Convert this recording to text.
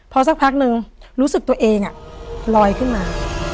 พอสักพักนึงรู้สึกตัวเองลอยขึ้นมา